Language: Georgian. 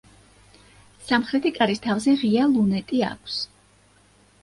სამხრეთი კარის თავზე ღია ლუნეტი აქვს.